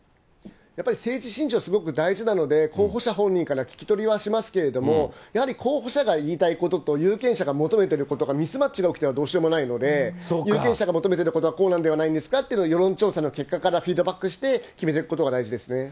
やっぱり政治信条、すごく大事なので、候補者本人から聞き取りはしますけれども、やはり候補者が言いたいことと有権者が求めてることがミスマッチが起きてはどうしようもないので、有権者が求めてることはこうなんじゃないですかっていうのを世論調査の結果からフィードバックして決めてくことが大事ですね。